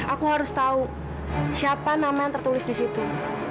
aku harus tahu siapa nama yang tertulis di situ